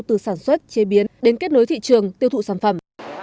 từ sản xuất chế biến đến kết nối thị trường tiêu thụ sản phẩm